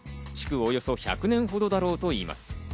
およそ１００年ほどだろうと言います。